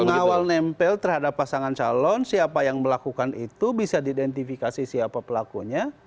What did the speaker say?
pengawal nempel terhadap pasangan calon siapa yang melakukan itu bisa diidentifikasi siapa pelakunya